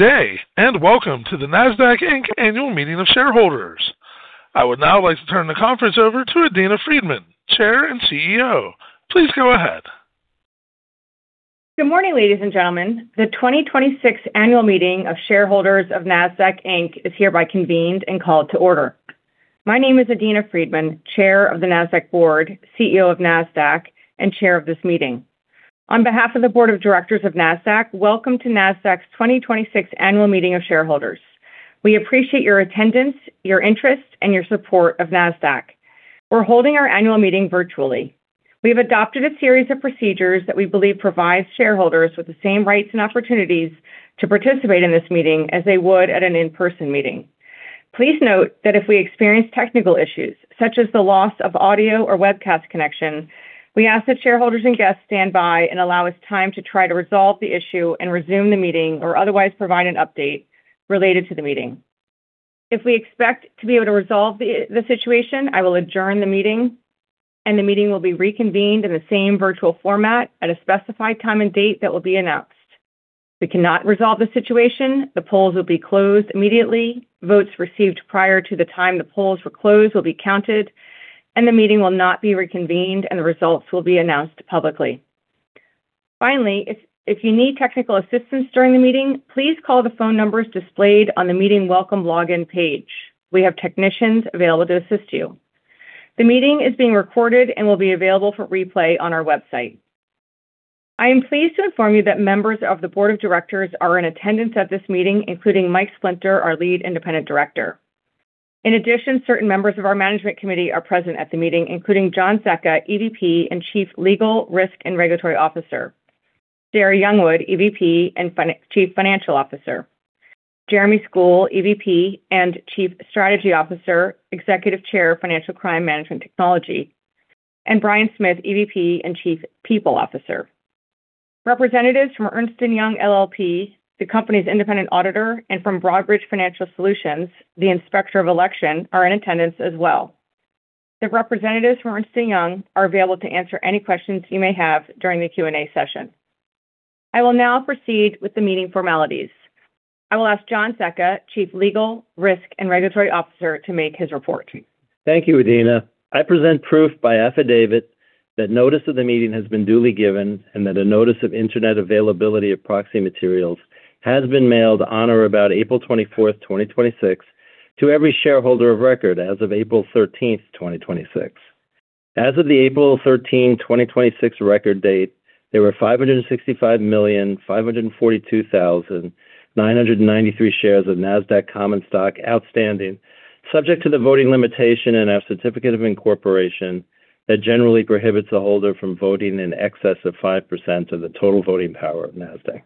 Good day. Welcome to the Nasdaq, Inc. Annual Meeting of Shareholders. I would now like to turn the conference over to Adena Friedman, Chair and CEO. Please go ahead. Good morning, ladies and gentlemen. The 2026 Annual Meeting of Shareholders of Nasdaq, Inc. is hereby convened and called to order. My name is Adena Friedman, Chair of the Nasdaq Board, CEO of Nasdaq, and Chair of this meeting. On behalf of the Board of Directors of Nasdaq, welcome to Nasdaq's 2026 Annual Meeting of Shareholders. We appreciate your attendance, your interest, and your support of Nasdaq. We're holding our Annual Meeting virtually. We have adopted a series of procedures that we believe provides shareholders with the same rights and opportunities to participate in this meeting as they would at an in-person meeting. Please note that if we experience technical issues such as the loss of audio or webcast connection, we ask that shareholders and guests stand by and allow us time to try to resolve the issue and resume the meeting or otherwise provide an update related to the meeting. If we expect to be able to resolve the situation, I will adjourn the meeting. The meeting will be reconvened in the same virtual format at a specified time and date that will be announced. If we cannot resolve the situation, the polls will be closed immediately. Votes received prior to the time the polls were closed will be counted. The meeting will not be reconvened. The results will be announced publicly. Finally, if you need technical assistance during the meeting, please call the phone numbers displayed on the meeting welcome login page. We have technicians available to assist you. The meeting is being recorded and will be available for replay on our website. I am pleased to inform you that members of the Board of Directors are in attendance at this meeting, including Mike Splinter, our Lead Independent Director. In addition, certain members of our Management Committee are present at the meeting, including John Zecca, EVP and Chief Legal, Risk and Regulatory Officer. Sarah Youngwood, EVP and Chief Financial Officer. Jeremy Skule, EVP and Chief Strategy Officer, Executive Chair of Financial Crime Management Technology, and Bryan Smith, EVP and Chief People Officer. Representatives from Ernst & Young LLP, the company's independent auditor, and from Broadridge Financial Solutions, the Inspector of Election, are in attendance as well. The representatives from Ernst & Young are available to answer any questions you may have during the Q&A session. I will now proceed with the meeting formalities. I will ask John Zecca, Chief Legal, Risk, and Regulatory Officer to make his report. Thank you, Adena. I present proof by affidavit that notice of the meeting has been duly given and that a notice of internet availability of proxy materials has been mailed on or about April 24th, 2026, to every shareholder of record as of April 13th, 2026. As of the April 13th, 2026, record date, there were 565,542,993 shares of Nasdaq common stock outstanding, subject to the voting limitation in our certificate of incorporation that generally prohibits a holder from voting in excess of 5% of the total voting power of Nasdaq.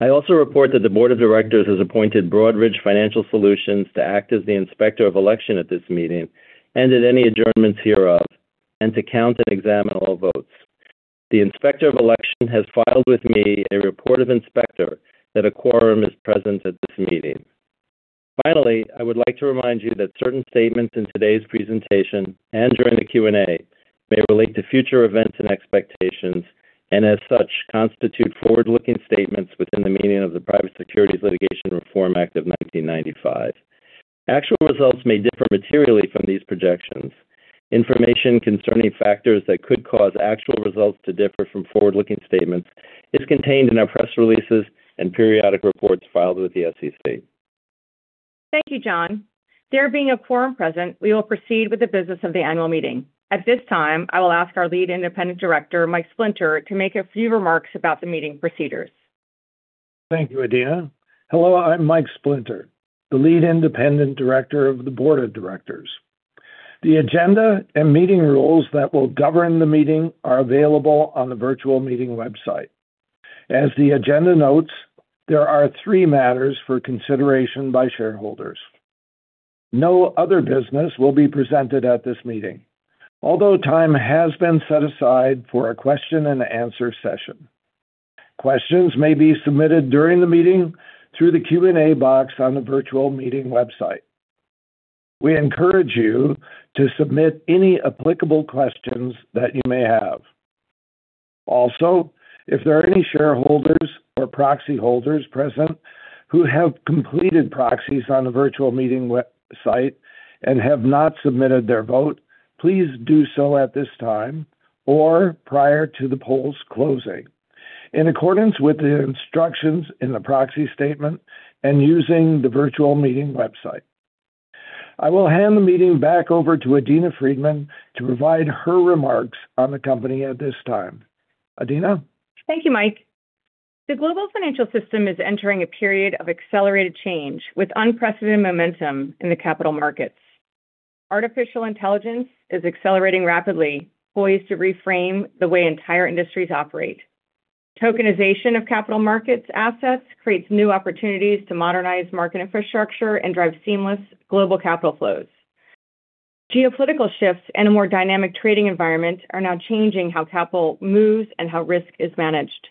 I also report that the Board of Directors has appointed Broadridge Financial Solutions to act as the Inspector of Election at this meeting and at any adjournments hereof, and to count and examine all votes. The Inspector of Election has filed with me a report of inspector that a quorum is present at this meeting. Finally, I would like to remind you that certain statements in today's presentation and during the Q&A may relate to future events and expectations, and as such, constitute forward-looking statements within the meaning of the Private Securities Litigation Reform Act of 1995. Actual results may differ materially from these projections. Information concerning factors that could cause actual results to differ from forward-looking statements is contained in our press releases and periodic reports filed with the SEC state. Thank you, John. There being a quorum present, we will proceed with the business of the annual meeting. At this time, I will ask our Lead Independent Director, Mike Splinter, to make a few remarks about the meeting procedures. Thank you, Adena. Hello, I'm Mike Splinter, the Lead Independent Director of the Board of Directors. The agenda and meeting rules that will govern the meeting are available on the virtual meeting website. As the agenda notes, there are three matters for consideration by shareholders. No other business will be presented at this meeting, although time has been set aside for a question-and-answer session. Questions may be submitted during the meeting through the Q&A box on the virtual meeting website. We encourage you to submit any applicable questions that you may have. Also, if there are any shareholders or proxy holders present who have completed proxies on the virtual meeting website and have not submitted their vote, please do so at this time or prior to the polls closing. In accordance with the instructions in the proxy statement and using the virtual meeting website. I will hand the meeting back over to Adena Friedman to provide her remarks on the company at this time. Adena? Thank you, Mike. The global financial system is entering a period of accelerated change with unprecedented momentum in the capital markets. Artificial intelligence is accelerating rapidly, poised to reframe the way entire industries operate. Tokenization of capital markets assets creates new opportunities to modernize market infrastructure and drive seamless global capital flows. Geopolitical shifts and a more dynamic trading environment are now changing how capital moves and how risk is managed,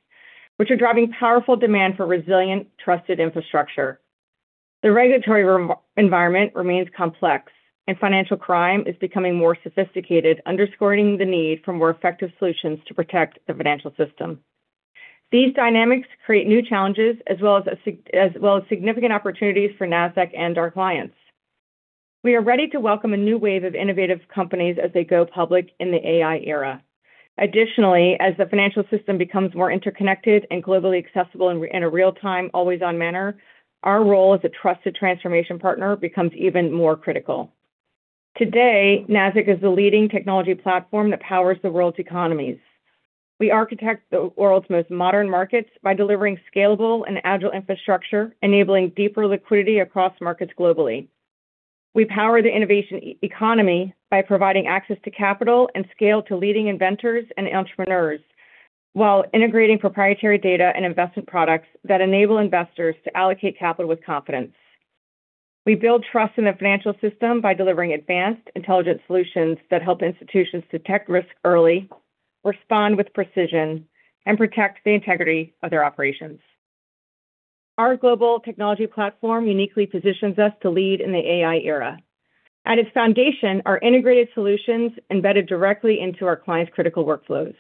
which are driving powerful demand for resilient, trusted infrastructure. The regulatory environment remains complex, and financial crime is becoming more sophisticated, underscoring the need for more effective solutions to protect the financial system. These dynamics create new challenges as well as significant opportunities for Nasdaq and our clients. We are ready to welcome a new wave of innovative companies as they go public in the AI era. Additionally, as the financial system becomes more interconnected and globally accessible in a real-time, always-on manner, our role as a trusted transformation partner becomes even more critical. Today, Nasdaq is the leading technology platform that powers the world's economies. We architect the world's most modern markets by delivering scalable and agile infrastructure, enabling deeper liquidity across markets globally. We power the innovation economy by providing access to capital and scale to leading inventors and entrepreneurs, while integrating proprietary data and investment products that enable investors to allocate capital with confidence. We build trust in the financial system by delivering advanced intelligence solutions that help institutions detect risk early, respond with precision, and protect the integrity of their operations. Our global technology platform uniquely positions us to lead in the AI era. At its foundation, our integrated solutions embedded directly into our clients' critical workflows.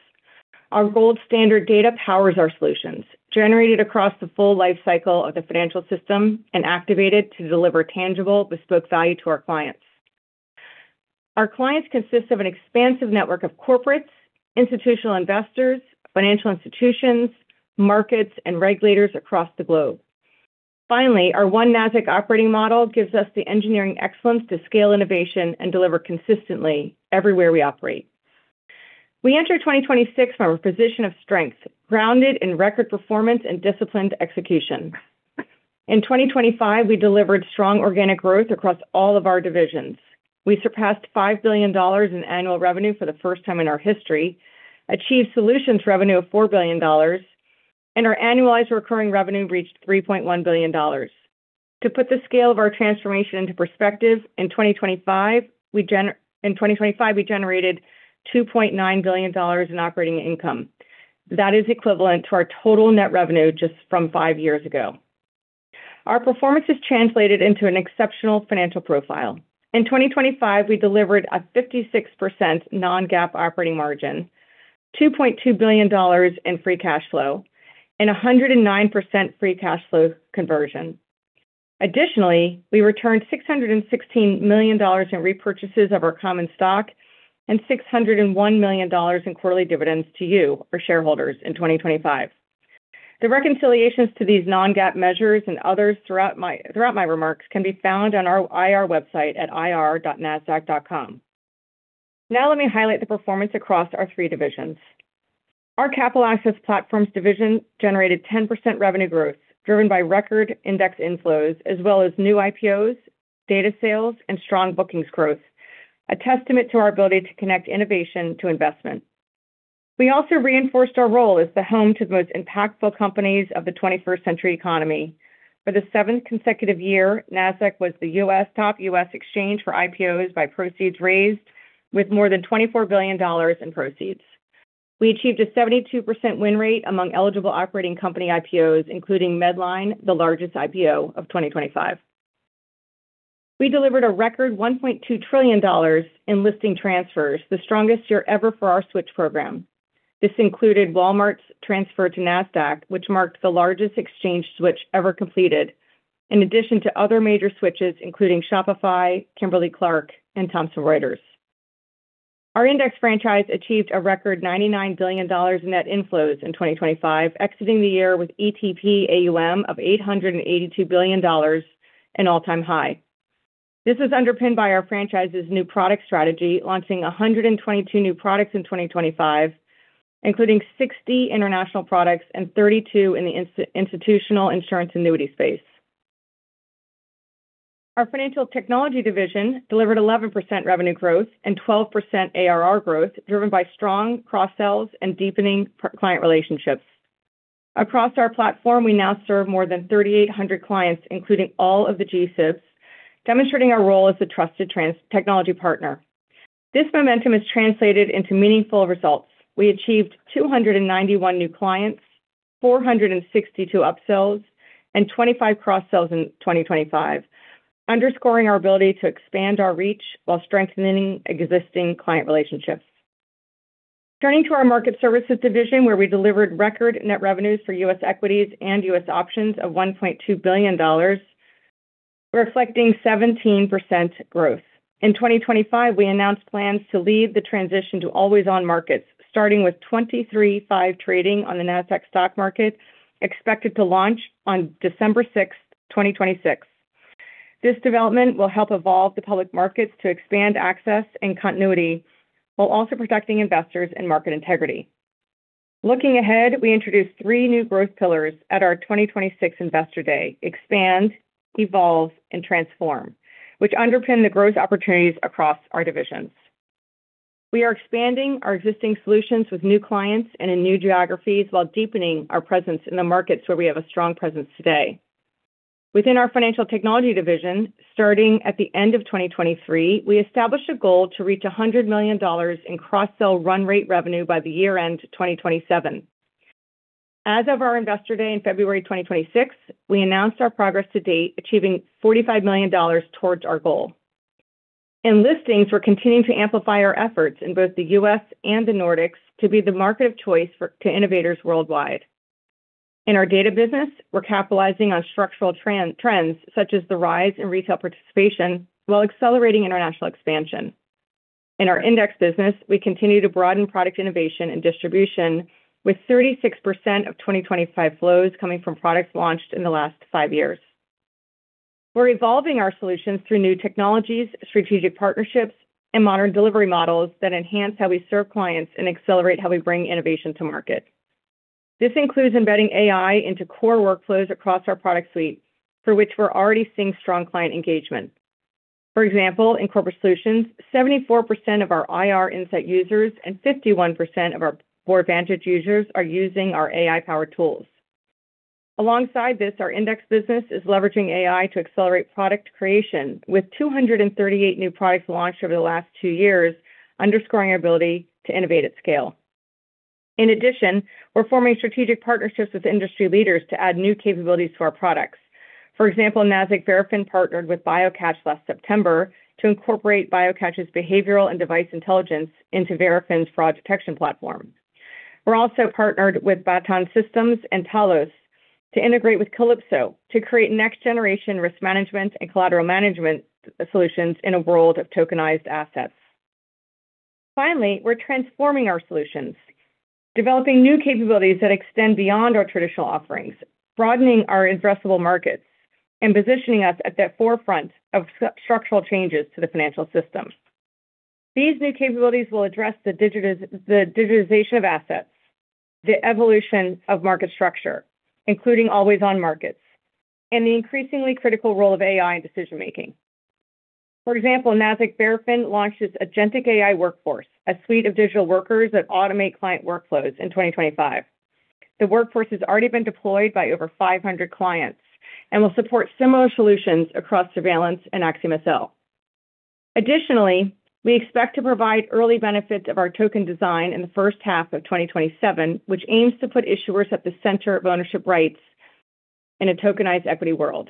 Our gold standard data powers our solutions, generated across the full life cycle of the financial system and activated to deliver tangible, bespoke value to our clients. Our clients consist of an expansive network of corporates, institutional investors, financial institutions, markets, and regulators across the globe. Finally, our One Nasdaq Operating Model gives us the engineering excellence to scale innovation and deliver consistently everywhere we operate. We enter 2026 from a position of strength, grounded in record performance and disciplined execution. In 2025, we delivered strong organic growth across all of our divisions. We surpassed $5 billion in annual revenue for the first time in our history, achieved solutions revenue of $4 billion, and our annualized recurring revenue reached $3.1 billion. To put the scale of our transformation into perspective, in 2025, we generated $2.9 billion in operating income. That is equivalent to our total net revenue just from five years ago. Our performance has translated into an exceptional financial profile. In 2025, we delivered a 56% non-GAAP operating margin, $2.2 billion in free cash flow, and 109% free cash flow conversion. Additionally, we returned $616 million in repurchases of our common stock and $601 million in quarterly dividends to you, our shareholders, in 2025. The reconciliations to these non-GAAP measures and others throughout my remarks can be found on our IR website at ir.nasdaq.com. Let me highlight the performance across our three divisions. Our Capital Access Platforms division generated 10% revenue growth, driven by record index inflows, as well as new IPOs, data sales, and strong bookings growth, a testament to our ability to connect innovation to investment. We also reinforced our role as the home to the most impactful companies of the 21st century economy. For the seventh consecutive year, Nasdaq was the top U.S. exchange for IPOs by proceeds raised, with more than $24 billion in proceeds. We achieved a 72% win-rate among eligible operating company IPOs, including Medline, the largest IPO of 2025. We delivered a record $1.2 trillion in listing transfers, the strongest year ever for our switch program. This included Walmart's transfer to Nasdaq, which marked the largest exchange switch ever completed, in addition to other major switches, including Shopify, Kimberly-Clark, and Thomson Reuters. Our index franchise achieved a record $99 billion net inflows in 2025, exiting the year with ETP AUM of $882 billion, an all-time high. This is underpinned by our franchise's new product strategy, launching 122 new products in 2025, including 60 international products and 32 in the institutional insurance annuity space. Our Financial Technology division delivered 11% revenue growth and 12% ARR growth, driven by strong cross-sells and deepening client relationships. Across our platform, we now serve more than 3,800 clients, including all of the GSIBs, demonstrating our role as a trusted technology partner. This momentum has translated into meaningful results. We achieved 291 new clients, 462 up-sells, and 25 cross-sells in 2025, underscoring our ability to expand our reach while strengthening existing client relationships. Turning to our Market Services division, where we delivered record net revenues for U.S. equities and U.S. options of $1.2 billion, reflecting 17% growth. In 2025, we announced plans to lead the transition to always-on markets, starting with 23/5 trading on the Nasdaq Stock Market, expected to launch on December 6th, 2026. This development will help evolve the public markets to expand access and continuity while also protecting investors and market integrity. Looking ahead, we introduced three new growth pillars at our 2026 Investor Day: Expand, Evolve, and Transform, which underpin the growth opportunities across our divisions. We are expanding our existing solutions with new clients and in new geographies while deepening our presence in the markets where we have a strong presence today. Within our Financial Technology division, starting at the end of 2023, we established a goal to reach $100 million in cross-sell run-rate revenue by the year-end 2027. As of our Investor Day in February 2026, we announced our progress-to-date, achieving $45 million towards our goal. In listings, we're continuing to amplify our efforts in both the U.S. and the Nordics to be the market of choice to innovators worldwide. In our data business, we're capitalizing on structural trends such as the rise in retail participation, while accelerating international expansion. In our index business, we continue to broaden product innovation and distribution, with 36% of 2025 flows coming from products launched in the last five years. We're evolving our solutions through new technologies, strategic partnerships, and modern delivery models that enhance how we serve clients and accelerate how we bring innovation to market. This includes embedding AI into core workflows across our product suite, for which we're already seeing strong client engagement. For example, in Corporate Solutions, 74% of our IR Insight users and 51% of our BoardVantage users are using our AI-powered tools. Alongside this, our index business is leveraging AI to accelerate product creation, with 238 new products launched over the last two years, underscoring our ability to innovate at scale. In addition, we're forming strategic partnerships with industry leaders to add new capabilities to our products. For example, Nasdaq Verafin partnered with BioCatch last September to incorporate BioCatch's behavioral and device intelligence into Verafin's fraud detection platform. We're also partnered with Baton Systems and Talos to integrate with Calypso to create next-generation risk management and collateral management solutions in a world of tokenized assets. Finally, we're transforming our solutions, developing new capabilities that extend beyond our traditional offerings, broadening our addressable markets, and positioning us at the forefront of structural changes to the financial system. These new capabilities will address the digitization of assets, the evolution of market structure, including always-on markets, and the increasingly critical role of AI in decision-making. For example, Nasdaq Verafin launched its Agentic AI Workforce, a suite of digital workers that automate client workflows in 2025. The workforce has already been deployed by over 500 clients and will support similar solutions across surveillance and AxiomSL. Additionally, we expect to provide early benefits of our token design in the first half of 2027, which aims to put issuers at the center of ownership rights in a tokenized equity world.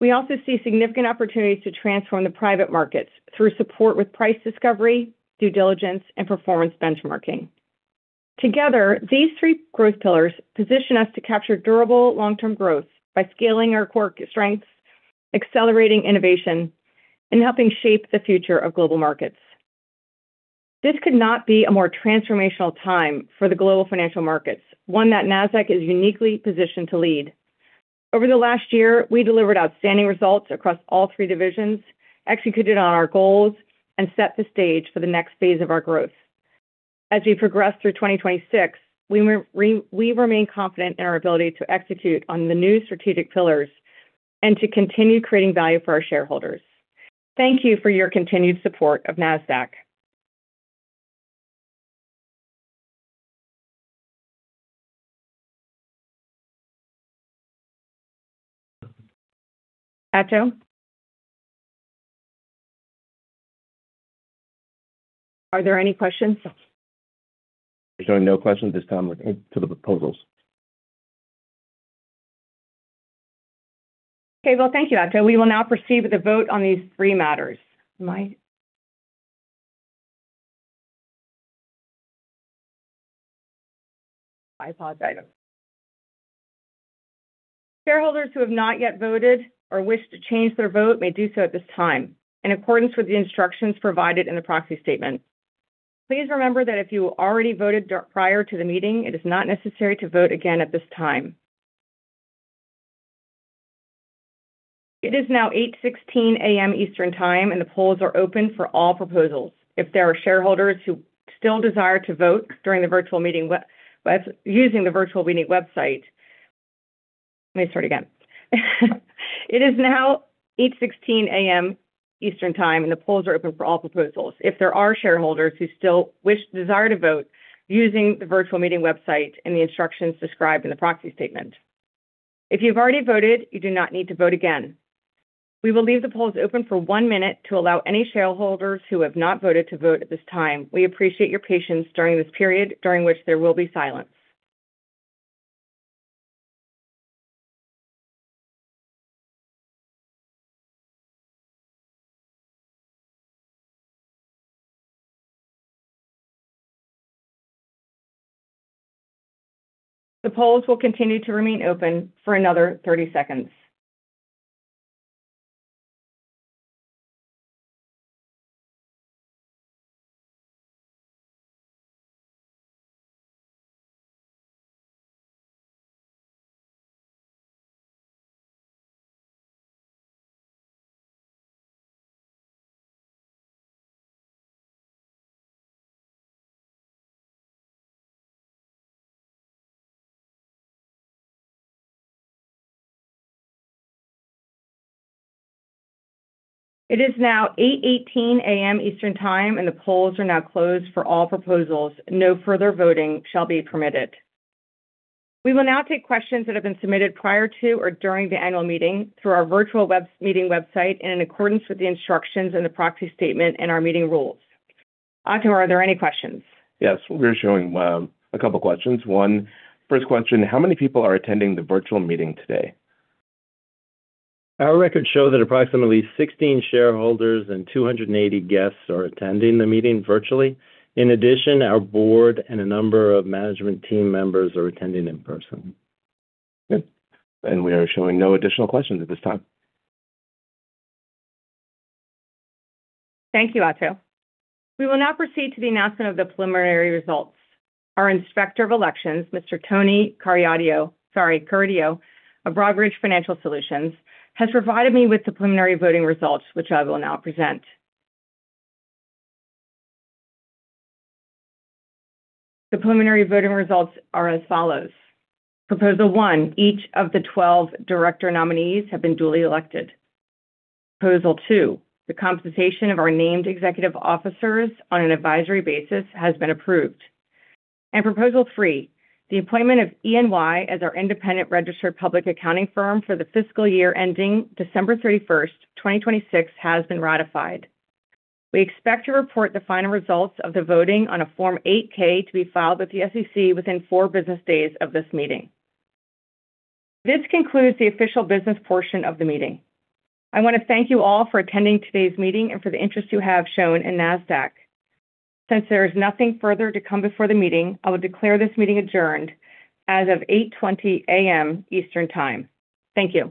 We also see significant opportunities to transform the private markets through support with price discovery, due diligence, and performance benchmarking. Together, these three growth pillars position us to capture durable long-term growth by scaling our core strengths, accelerating innovation, and helping shape the future of global markets. This could not be a more transformational time for the global financial markets, one that Nasdaq is uniquely positioned to lead. Over the last year, we delivered outstanding results across all three divisions, executed on our goals, and set the stage for the next phase of our growth. As we progress through 2026, we remain confident in our ability to execute on the new strategic pillars and to continue creating value for our shareholders. Thank you for your continued support of Nasdaq. Ato? Are there any questions? We're showing no questions at this time to the proposals. Okay. Well, thank you, Ato. We will now proceed with the vote on these three matters. [My iPods item]. Shareholders who have not yet voted or wish to change their vote may do so at this time, in accordance with the instructions provided in the proxy statement. Please remember that if you already voted prior to the meeting, it is not necessary to vote again at this time. It is now 8:16 A.M. Eastern Time. The polls are open for all proposals. If there are shareholders who still desire to vote during the virtual meeting using the virtual meeting website, let me start again. It is now 8:16 A.M. Eastern Time. The polls are open for all proposals. If there are shareholders who still desire to vote using the virtual meeting website and the instructions described in the proxy statement. If you've already voted, you do not need to vote again. We will leave the polls open for one minute to allow any shareholders who have not voted to vote at this time. We appreciate your patience during this period, during which there will be silence. The polls will continue to remain open for another 30 seconds. It is now 8:18 A.M. Eastern Time. The polls are now closed for all proposals. No further voting shall be permitted. We will now take questions that have been submitted prior to or during the Annual Meeting through our virtual meeting website and in accordance with the instructions in the proxy statement and our meeting rules. Ato, are there any questions? Yes, we are showing a couple of questions. First question, how many people are attending the virtual meeting today? Our records show that approximately 16 shareholders and 280 guests are attending the meeting virtually. In addition, our Board and a number of Management Team members are attending in person. Good. We are showing no additional questions at this time. Thank you, Ato. We will now proceed to the announcement of the preliminary results. Our Inspector of Elections, Mr. Tony Corradiao of Broadridge Financial Solutions, has provided me with the preliminary voting results, which I will now present. The preliminary voting results are as follows. Proposal one, each of the 12 Director nominees have been duly elected. Proposal two, the compensation of our named Executive officers on an advisory basis has been approved. Proposal three, the appointment of E&Y as our independent registered public accounting firm for the fiscal year ending December 31st, 2026, has been ratified. We expect to report the final results of the voting on a Form 8-K to be filed with the SEC within four business days of this meeting. This concludes the official business portion of the meeting. I want to thank you all for attending today's meeting and for the interest you have shown in Nasdaq. Since there is nothing further to come before the meeting, I will declare this meeting adjourned as of 8:20 A.M. Eastern Time. Thank you